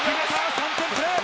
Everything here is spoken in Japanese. ３点プレー。